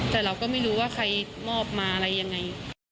แต่เราก็ไม่รู้ว่าใครมอบมาอะไรยังไง